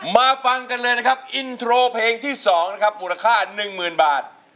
มาฟังกันเลยนะครับอินโทรเพลงที่๒นะครับมูลค่า๑๐๐๐บาท